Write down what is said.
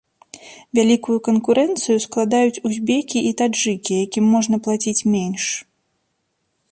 Вялікую канкурэнцыю складаюць узбекі і таджыкі, якім можна плаціць менш.